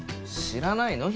知らないの？